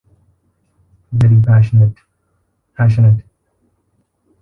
Very passionate. Passionate.